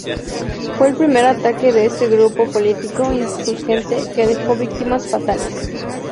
Fue el primer ataque de este grupo político-insurgente que dejó víctimas fatales.